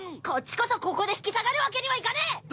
こっちこそここでひき下がるわけにはいかねえ！